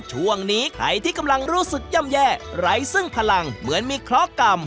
ช่วงนี้ใครที่กำลังรู้สึกย่ำแย่ไร้ซึ่งพลังเหมือนมีเคราะห์กรรม